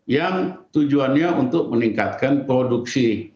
yang tujuannya untuk meningkatkan produksi